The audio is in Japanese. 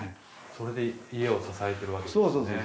それで家を支えてるわけですね。